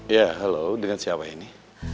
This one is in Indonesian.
ya halo dengan siapa ini